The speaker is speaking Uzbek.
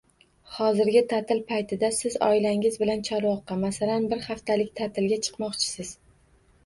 Hozirgi ta'til paytida siz oilangiz bilan Chorvoqqa, masalan, bir haftalik ta'tilga chiqmoqchisiz